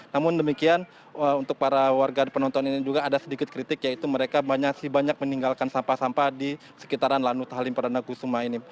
namun demikian untuk para warga penonton ini juga ada sedikit kritik yaitu mereka masih banyak meninggalkan sampah sampah di sekitaran lanut halim perdana kusuma ini